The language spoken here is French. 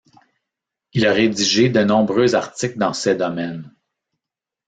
Il a rédigé de nombreux articles dans ces domaines.